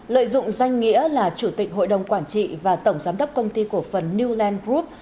lợi dụng danh nghĩa là chủ tịch hội đồng quản trị và tổng giám đốc công ty cổ phần new land group